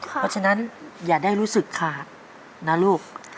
เพราะฉะนั้นอย่าได้รู้สึกขาดนะลูก